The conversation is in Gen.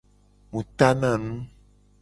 Mu tana nu.